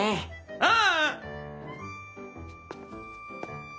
ああ！